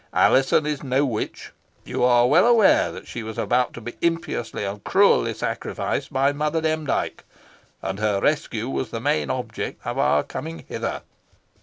Alizon is no witch. You are well aware that she was about to be impiously and cruelly sacrificed by Mother Demdike, and her rescue was the main object of our coming hither."